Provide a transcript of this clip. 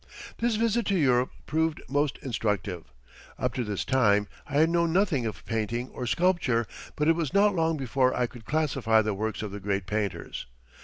This visit to Europe proved most instructive. Up to this time I had known nothing of painting or sculpture, but it was not long before I could classify the works of the great painters.